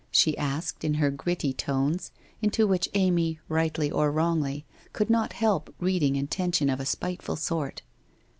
' she asked in her gritty tones, into which Amy, rightly or wrongly, could not help reading intention of a spiteful sort.